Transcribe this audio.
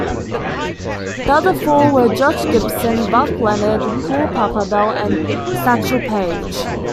The other four were Josh Gibson, Buck Leonard, Cool Papa Bell and Satchel Paige.